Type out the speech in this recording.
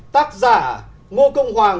tác giả ngu công hoàng